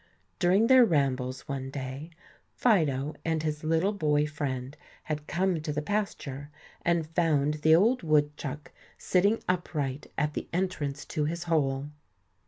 During their rambles one day, Fido and his little boy friend had come to the pasture, and found the old woodchuck sitting upright at the entrance to his hole.